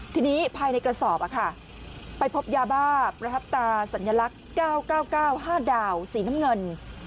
ทีนี้ภายในกระสอบไปพบยาบ้าประทับตาสัญลักษณ์๙๙๙๕ดาวสีน้ำเงิน